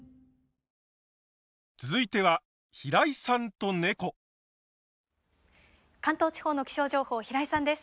続いては関東地方の気象情報平井さんです。